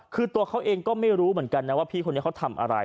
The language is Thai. คือตัวเขาเองก็ไม่รู้เหมือนกันนะว่าพี่คนนี้เขาทำอะไร